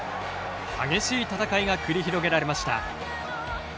激しい戦いが繰り広げられました。